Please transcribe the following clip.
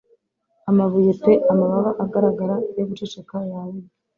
Amabuye pe -amababa agaragara yo guceceka yabibwe